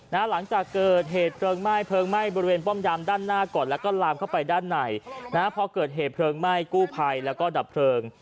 หลังจากเกิดเหตุเพลิงไหม้เพลิงไหม้บริเวณป้อมยามด้านหน้าก่อนแล้วก็ลามเข้าไปด้านในนะฮะพอเกิดเหตุเพลิงไหม้กู้ภัยแล้วก็ดับเพลิง